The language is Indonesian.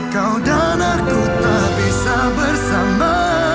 kau dan anakku tak bisa bersama